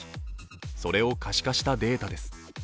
それを可視化したデータです。